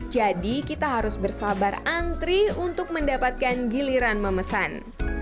jadi kita harus bersabar antri untuk mendapatkan giliran memesan